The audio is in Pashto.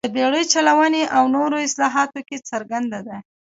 د بېړۍ چلونې او نورو اصلاحاتو کې څرګنده ده.